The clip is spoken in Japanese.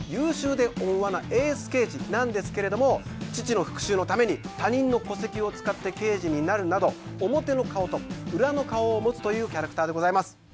蓮見はなんですけれども父の復讐のために他人の戸籍を使って刑事になるなど表の顔と裏の顔を持つというキャラクターでございます。